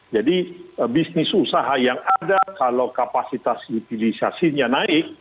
bisnis usaha yang ada kalau kapasitas utilisasinya naik